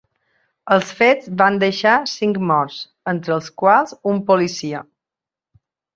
Els fets van deixar cinc morts, entre els quals un policia.